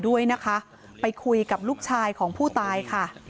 ด้วยนะคะไปคุยกับลูกชายของผู้ตายค่ะ